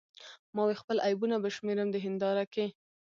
ما وې خپل عیبونه به شمیرم د هنداره کې